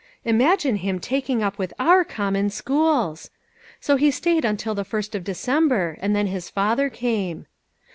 Imagine him taking up with our common schools ! so he stayed until the first of December, and then his father came.